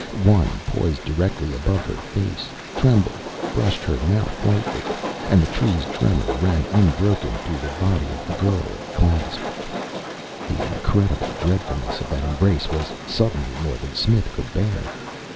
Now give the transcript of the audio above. One poised directly above her face, trembled, brushed her mouth lightly. And the Tree's tremor ran unbroken through the body of the girl it clasped. The incredible dreadfulness of that embrace was suddenly more than Smith could bear.